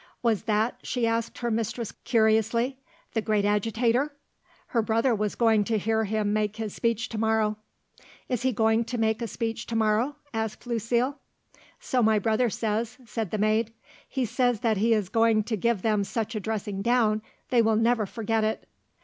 "Was that," she asked her mistress curiously, "the great Agitator?" Her brother was going to hear him make his speech to morrow. "Is he going to make a speech to morrow?" asked Lucile. "So my brother says," said the maid; "he says that he is going to give them such a dressing down they will never forget it."